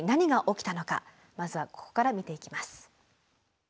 まずはここから見ていきます。